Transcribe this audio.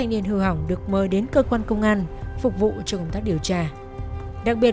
nên không có mối quan hệ nào khác biệt